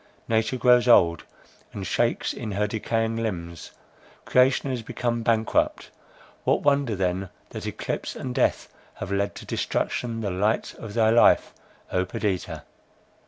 Nature grows old, and shakes in her decaying limbs,—creation has become bankrupt! What wonder then, that eclipse and death have led to destruction the light of thy life, O Perdita!"